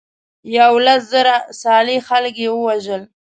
یولس زره صالح خلک یې وژل.